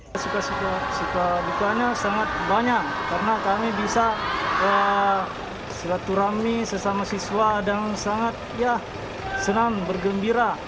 saya suka suka dukanya sangat banyak karena kami bisa silaturahmi sesama siswa dan sangat ya senang bergembira